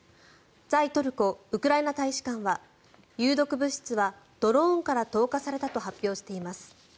在トルコウクライナ大使館は有毒物質はドローンから投下されたと発表しています。